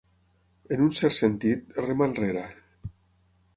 En un cert sentit, rema enrere.